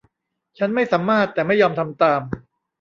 ฉันไม่สามารถแต่ไม่ยอมทำตาม